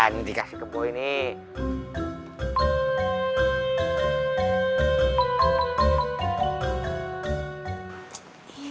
ini dikasih ke boy nih